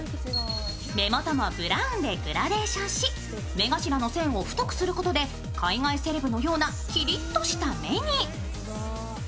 目元もブラウンでグラデーションし目頭の線を太くすることで海外セレブのようなキリッとした目に。